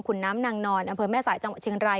คุณน้ำนางนอนอำเภอแม่สายจังหวัดเชียงราย